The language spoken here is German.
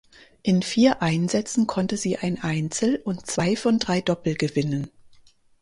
In vier Einsätzen konnte sie ein Einzel und zwei von drei Doppel gewinnen.